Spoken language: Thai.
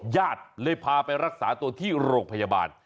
ญาติเลยพาไปรักษาตัวที่โรงพยาบาล